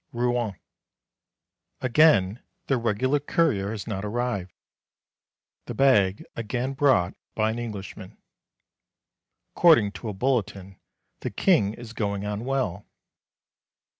Rouen. Again the regular courier has not arrived. The bag again brought by an Englishman. According to a bulletin the King is going on well.